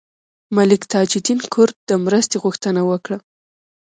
ملک تاج الدین کرد د مرستې غوښتنه وکړه.